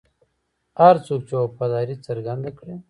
هر څوک چې وفاداري څرګنده کړي.